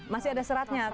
masih ada seratnya